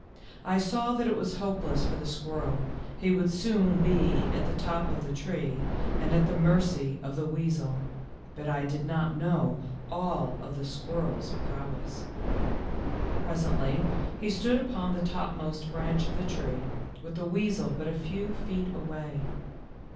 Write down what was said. I saw that it was hopeless for the squirrel, he would soon be at the top of the tree and at the mercy of the weasel, but I did not know all of the squirrel's prowess. 104 THE LITTLE FORESTERS. Presently he stood upon the topmost branch of the tree, with the weasel but a few feet away.